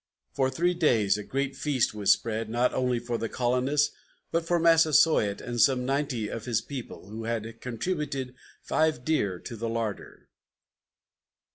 For three days a great feast was spread not only for the colonists, but for Massasoit and some ninety of his people, who had contributed five deer to the larder.